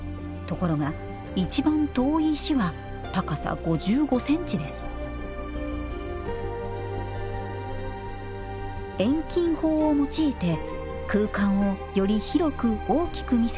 ところが一番遠い石は高さ５５センチです遠近法を用いて空間をより広く大きく見せる仕掛けです